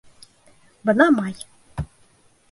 Бына май